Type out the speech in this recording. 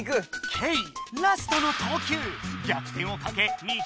ケイラストの投球。